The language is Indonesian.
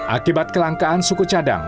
akibat kelangkaan suku cadang